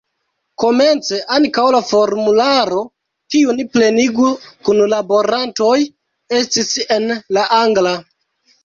Komence ankaŭ la formularo, kiun plenigu kunlaborantoj, estis en la angla.